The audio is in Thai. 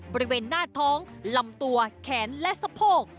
บริเวณหน้าท้องลำตัวแขนและสะโพก